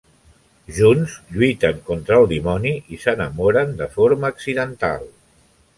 Junts lluiten contra el dimoni i s'enamoren de forma accidental.